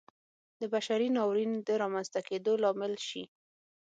د بشري ناورین د رامنځته کېدو لامل شي.